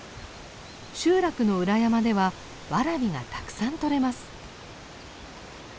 集落の裏山ではワラビがたくさん採れます。